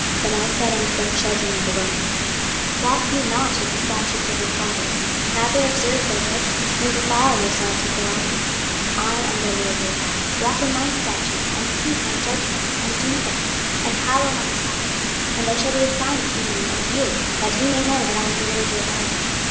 26:020:018 But I said unto their children in the wilderness, Walk ye not in the statutes of your fathers, neither observe their judgments, nor defile yourselves with their idols: 26:020:019 I am the LORD your God; walk in my statutes, and keep my judgments, and do them; 26:020:020 And hallow my sabbaths; and they shall be a sign between me and you, that ye may know that I am the LORD your God.